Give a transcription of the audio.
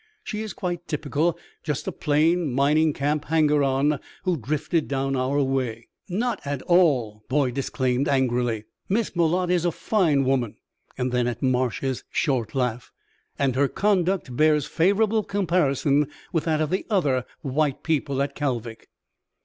"She is quite typical just a plain mining camp hanger on who drifted down our way." "Not at all," Boyd disclaimed, angrily. "Miss Malotte is a fine woman;" then, at Marsh's short laugh, "and her conduct bears favorable comparison with that of the other white people at Kalvik."